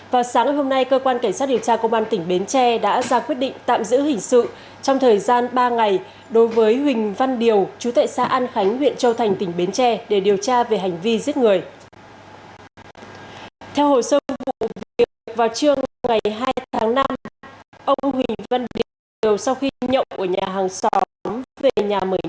vào sáng hôm nay cơ quan cảnh sát điều tra công an tỉnh bến tre đã ra quyết định tạm giữ hình sự